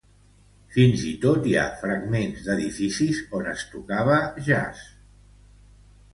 Fins i tot hi ha fragments d'edificis on es tocava jazz.